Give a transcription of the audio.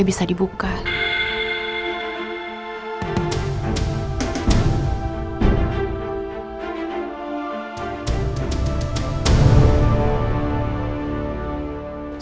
dan bisa menangkan akun roy